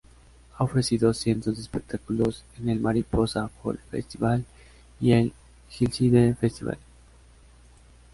Ha ofrecido cientos de espectáculos, en el Mariposa Folk Festival y el Hillside Festival.